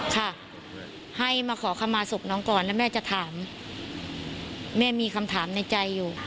ค่ะให้มาขอคำมาศพน้องก่อนแล้วแม่จะถามแม่มีคำถามในใจอยู่